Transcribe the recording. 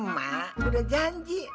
mak udah janji